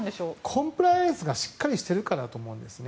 コンプライアンスがしっかりしているかだと思うんですよね。